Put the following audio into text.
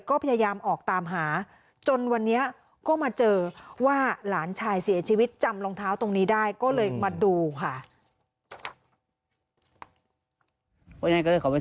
ก็พยายามออกตามหาจนวันนี้ก็มาเจอว่าหลานชายเสียชีวิต